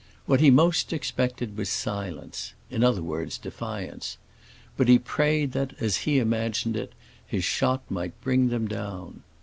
What he most expected was silence—in other words defiance. But he prayed that, as he imagined it, his shot might bring them down.